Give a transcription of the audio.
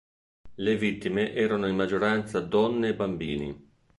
Le vittime erano in maggioranza donne e bambini.